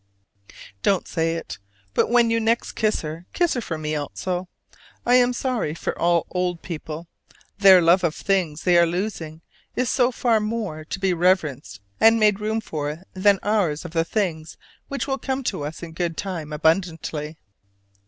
Don't say it, but when you next kiss her, kiss her for me also: I am sorry for all old people: their love of things they are losing is so far more to be reverenced and made room for than ours of the things which will come to us in good time abundantly.